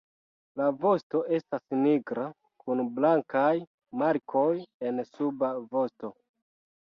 La vosto estas nigra kun blankaj markoj en suba vosto.